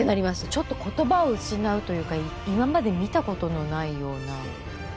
ちょっと言葉を失うというか今まで見たことのないような。